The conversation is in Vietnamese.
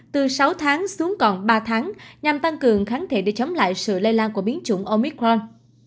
từ sáu tháng xuống còn ba tháng nhằm tăng cường kháng thể để chống lại sự lây lan của biến chủng omicron